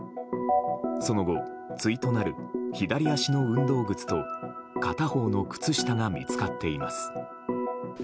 その後、対となる左足の運動靴と片方の靴下が見つかっています。